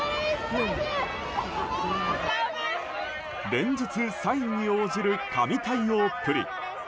連日サインに応じる神対応っぷり。